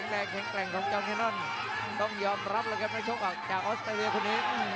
แท่งแกร่งของจอดแคนนอนต้องยอมรับละครับในช่วงออกจากออสเตอรียคุณเอง